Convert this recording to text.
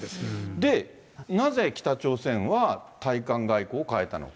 で、なぜ北朝鮮は対韓外交を変えたのか。